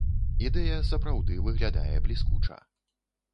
Ідэя сапраўды выглядае бліскуча.